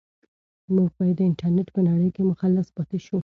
موږ باید د انټرنيټ په نړۍ کې مخلص پاتې شو.